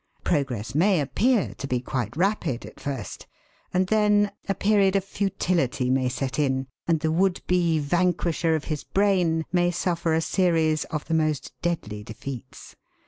Progress may appear to be quite rapid at first, and then a period of futility may set in, and the would be vanquisher of his brain may suffer a series of the most deadly defeats.